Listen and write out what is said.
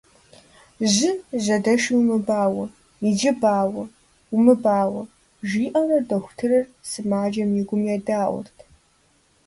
– Жьы жьэдэши умыбауэ! Иджы бауэ! Умыбауэ! - жиӏэурэ дохутырыр сымаджэм и гум едаӏуэрт.